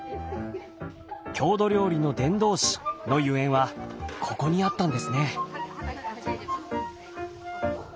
郷土料理の伝道師のゆえんはここにあったんですね。